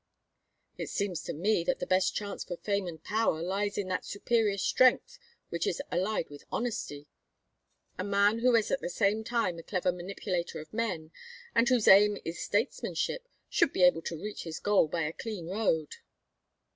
"It seems to me that the best chance for fame and power lies in that superior strength which is allied with honesty. A man who is at the same time a clever manipulator of men, and whose aim is statesmanship, should be able to reach his goal by a clean road."